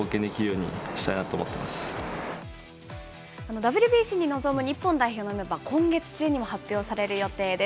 ＷＢＣに臨む日本代表のメンバー、今月中にも発表される予定です。